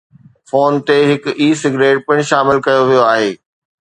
phone تي هڪ "e cigarette" پڻ شامل ڪيو ويو آهي